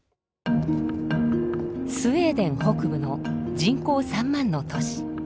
スウェーデン北部の人口３万の都市。